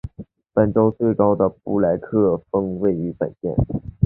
本州最高的布莱克峰位于本县。